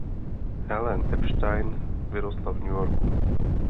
Helen Epstein vyrostla v New Yorku.